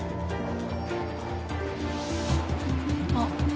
あっ。